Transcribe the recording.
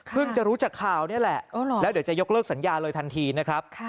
จะรู้จากข่าวนี่แหละแล้วเดี๋ยวจะยกเลิกสัญญาเลยทันทีนะครับ